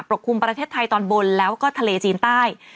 คุมประเทศไทยตอนบนแล้วก็ทะเลจีนใต้